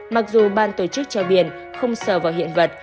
mặc dù ban tổ chức treo biển không sờ vào hiện vật